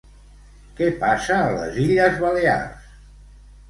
Què passa a les Illes Balears?